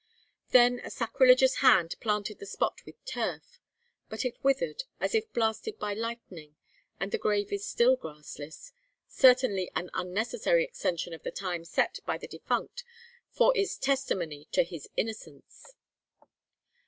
Then a sacrilegious hand planted the spot with turf; but it withered as if blasted by lightning; and the grave is still grassless certainly an unnecessary extension of the time set by the defunct for its testimony to his innocence.